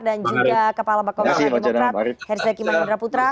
dan juga kepala bakau komunis tni demokrat heri zaki man yudhara putra